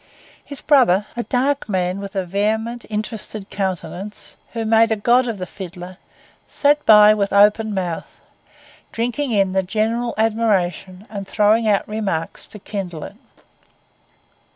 His brother, a dark man with a vehement, interested countenance, who made a god of the fiddler, sat by with open mouth, drinking in the general admiration and throwing out remarks to kindle it.